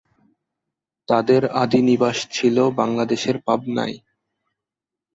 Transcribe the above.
তাদের আদি নিবাস ছিল বাংলাদেশের পাবনায়।